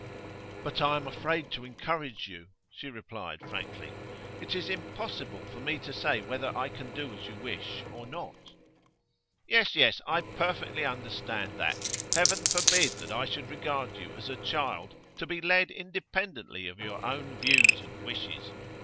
'But I am afraid to encourage you,' she replied, frankly. 'It is impossible for me to say whether I can do as you wish, or not.' 'Yes, yes; I perfectly understand that. Heaven forbid that I should regard you as a child to be led independently of your own views and wishes!